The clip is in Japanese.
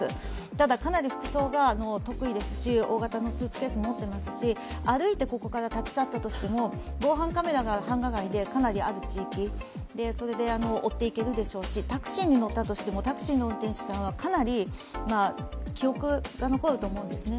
ただかなり服装が特異ですし大型のスーツケースを持っていますし、歩いてここから立ち去ったとしても、防犯カメラが繁華街でかなりある地域、それで追っていけるでしょうしタクシーに乗ったとしてもタクシーの運転手さんはかなり記憶が残ると思うんですね。